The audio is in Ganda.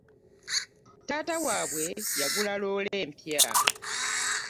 Taata waabwe yagula loole empya.